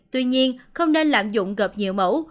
tuy nhiên không nên lạm dụng gợp nhiều mẫu